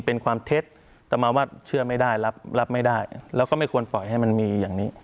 เป็นความเท็จต่อมาว่าเชื่อไม่ได้รับไม่ได้แล้วก็ไม่ควรปล่อยให้มันมีอย่างนี้